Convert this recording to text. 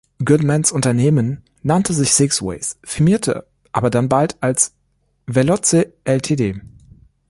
Goodmans Unternehmen nannte sich "Six Ways", firmierte aber dann bald als "Veloce Ltd".